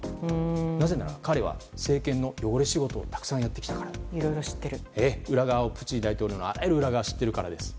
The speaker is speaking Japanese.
なぜなら彼は政権の汚れ仕事をたくさんやってきたからプーチン大統領のあらゆる裏側を知っているからです。